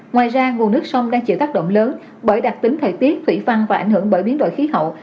ngoài ra nguồn nước sông đang chịu tác động lớn bởi đặc tính thời tiết thủy văn và ảnh hưởng bởi biến đổi khí hậu